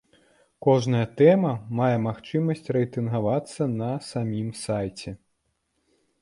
Кожная тэма мае магчымасць рэйтынгавацца на самім сайце.